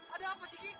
ada apa sih ki